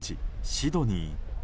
シドニー。